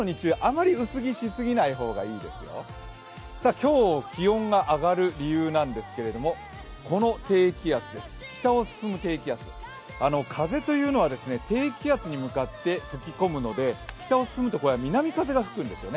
今日、気温が上がる理由なんですけれども、この低気圧、北を進む低気圧風というのは低気圧に向かって吹き込むので北を進むと南風が吹くんですよね。